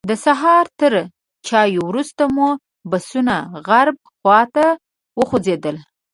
د سهار تر چایو وروسته مو بسونه غرب خواته وخوځېدل.